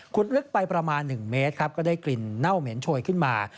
ลึกไปประมาณ๑เมตรครับก็ได้กลิ่นเน่าเหม็นโชยขึ้นมา